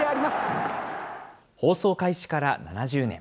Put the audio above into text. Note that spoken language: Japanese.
放送開始から７０年。